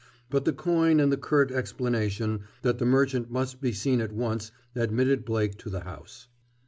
But the coin and the curt explanation that the merchant must be seen at once admitted Blake to the house.